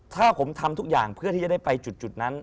ถ้าผมทำทุกอย่างเพื่อที่จะได้ไปจุดนั้น